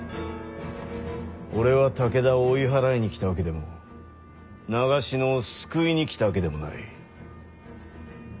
俺は武田を追い払いに来たわけでも長篠を救いに来たわけでもない。